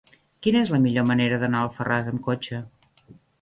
Quina és la millor manera d'anar a Alfarràs amb cotxe?